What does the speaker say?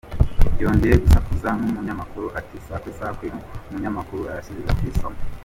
Yongeye gusakuza n’umunyamakuru ati ‘Sakwe Sakwe’, umunyamakuru arasubiza ati ‘Soma’ .